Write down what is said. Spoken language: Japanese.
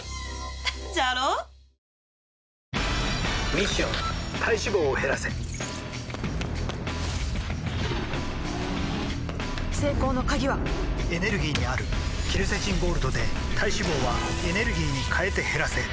ミッション体脂肪を減らせ成功の鍵はエネルギーにあるケルセチンゴールドで体脂肪はエネルギーに変えて減らせ「特茶」